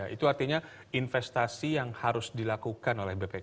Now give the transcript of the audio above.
itu artinya investasi yang harus dilakukan